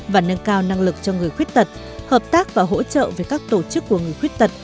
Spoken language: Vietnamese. và nâng cao năng lực cho người khuyết tật hợp tác và hỗ trợ với các tổ chức của người khuyết tật